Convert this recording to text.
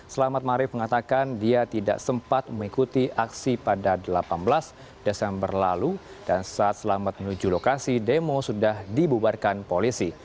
selamat marif mengatakan dia tidak sempat mengikuti aksi pada delapan belas desember lalu dan saat selamat menuju lokasi demo sudah dibubarkan polisi